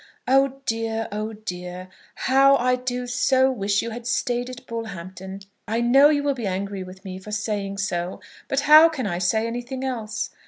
Oh dear, oh dear! how I do so wish you had stayed at Bullhampton! I know you will be angry with me for saying so, but how can I say anything else?